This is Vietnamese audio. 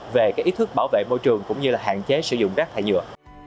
về ý thức bảo vệ môi trường cũng như là hạn chế sử dụng rác thải nhựa